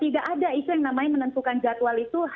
tidak ada isu yang namanya menentukan jadwal itu